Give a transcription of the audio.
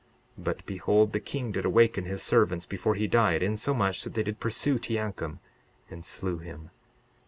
But behold, the king did awaken his servants before he died, insomuch that they did pursue Teancum, and slew him.